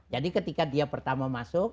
ketika dia pertama masuk